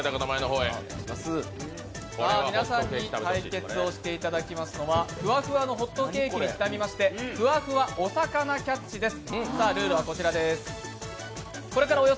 皆さんに対決していただきますのは、ふわふわのホットケーキにちなみまして「ふわふわおさかなキャッチ」です。